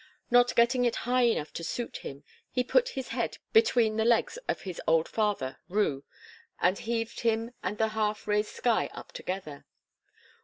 Not getting it high enough to suit him, he put his head between the legs of his old father Ru, and heaved him and the half raised sky up together.